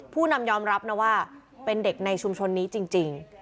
ผู้นำยอมรับนะว่าเป็นเด็กในชุมชนนี้จริง